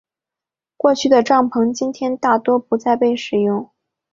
过去的帐篷今天大多不再被使用。